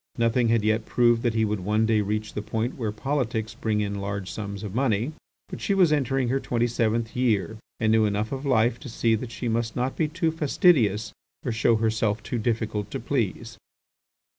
Nothing had yet proved that he would one day reach the point where politics bring in large sums of money. But she was entering her twenty seventh year and knew enough of life to see that she must not be too fastidious or show herself too difficult to please.